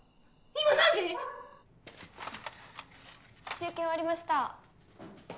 今何時⁉集計終わりました